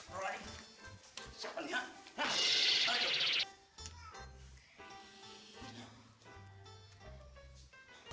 bisa ada apa ya